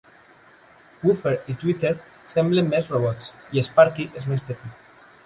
Woofer i Tweeter semblen més robots i Sparky és més petit.